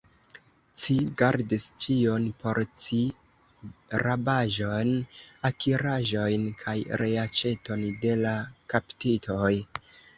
Ci gardis ĉion por ci, rabaĵon, akiraĵojn, kaj reaĉeton de la kaptitoj!